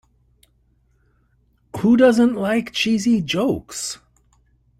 Who doesn't like cheesy jokes?